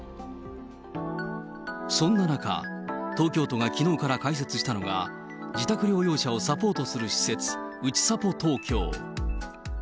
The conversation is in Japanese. そんな中、東京都がきのうから開設したのが、自宅療養者をサポートする施設、うちさぽ東京。